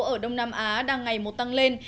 ở đông nam á đang ngày một tăng lên